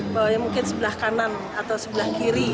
bawahnya mungkin sebelah kanan atau sebelah kiri